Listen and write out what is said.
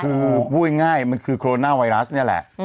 คือพูดง่ายมันคือโคโรนาไวรัสนี่แหละ